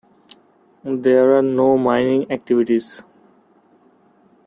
There are no mining activities.